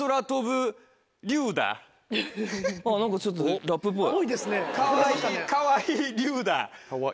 何かちょっとラップっぽい。